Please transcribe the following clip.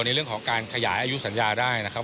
ในเรื่องของการขยายอายุสัญญาได้นะครับ